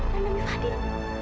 dan demi fadil